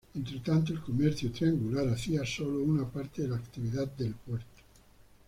Entretanto, el comercio triangular hacía solo una parte de la actividad del puerto.